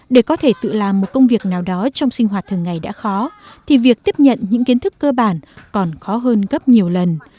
để có thể tự làm một công việc nào đó trong sinh hoạt thường ngày đã khó thì việc tiếp nhận những kiến thức cơ bản còn khó hơn gấp nhiều lần